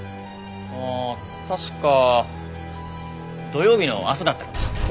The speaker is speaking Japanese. あー確か土曜日の朝だったかと。